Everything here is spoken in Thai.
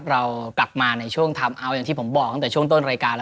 เรากลับมาในช่วงทำเอาท์อย่างที่ผมบอกตั้งแต่ช่วงต้นรายการแล้ว